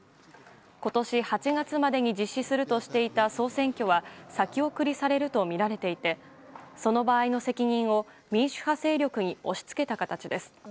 今年８月までに実施するとしていた総選挙は先送りされるとみられていてその場合の責任を民主派勢力に押しつけた形です。